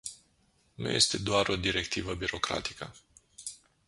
Nu este doar o directivă birocratică.